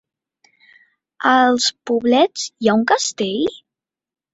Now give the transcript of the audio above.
A els Poblets hi ha un castell?